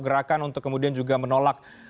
gerakan untuk kemudian juga menolak